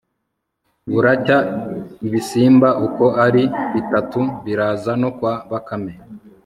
buracya ibisimba uko ari bitatu biraza no kwa bakame